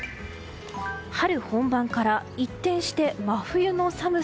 春本番から一転して真冬の寒さ。